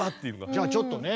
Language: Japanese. じゃあちょっとね